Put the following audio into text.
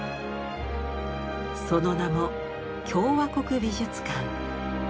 その名も共和国美術館。